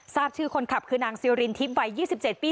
ทราบชื่อคนขับคือนางซิรินทิพย์วัย๒๗ปี